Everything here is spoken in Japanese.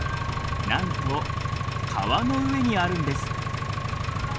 なんと川の上にあるんです。